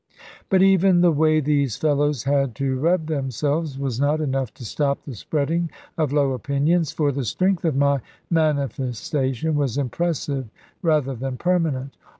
But even the way these fellows had to rub themselves was not enough to stop the spreading of low opinions; for the strength of my manifestation was impressive rather than permanent.